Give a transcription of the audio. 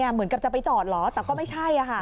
เหมือนกับจะไปจอดเหรอแต่ก็ไม่ใช่